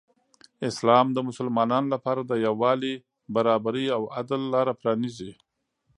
اسلام د مسلمانانو لپاره د یو والي، برابري او عدل لاره پرانیزي.